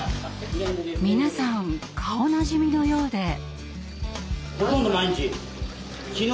皆さん顔なじみのようで。